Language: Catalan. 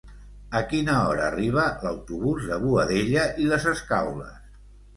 A quina hora arriba l'autobús de Boadella i les Escaules?